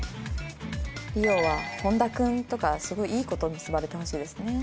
莉桜は本田君とかすごいいい子と結ばれてほしいですね。